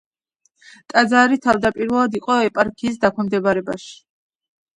ტაძარი თავდაპირველად იყო ეპარქიის დაქვემდებარებაში.